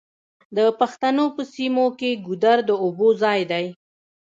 د پښتنو په سیمو کې ګودر د اوبو ځای دی.